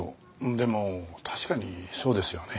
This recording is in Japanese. でも確かにそうですよね。